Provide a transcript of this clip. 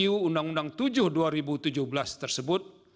undang undang tujuh dua ribu tujuh belas tersebut